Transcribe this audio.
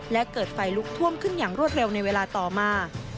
และเกิดไฟลุกท่วมขึ้นอย่างรวดเร็วในเวลาต่อมา